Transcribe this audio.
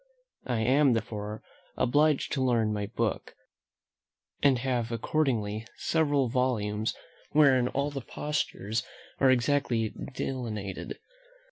I am, therefore, obliged to learn by book; and have accordingly several volumes, wherein all the postures are exactly delineated.